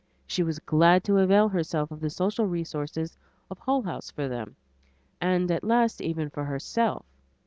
She was glad to avail herself of the social resources of Hull House for them, and at last even for herself.